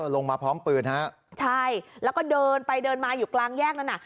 ลงมาพร้อมปืนฮะใช่แล้วก็เดินไปเดินมาอยู่กลางแยกนั้นอ่ะ